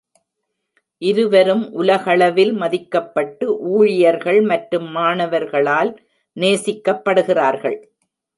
இருவரும் உலகளவில் மதிக்கப்பட்டு் ஊழியர்கள் மற்றும் மாணவர்களால் நேசிக்கப்படுகிறார்கள்.